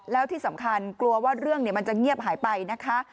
แล้วที่สำคัญกลัวว่าเรื่องมันจะเงียบหายไปนะคะ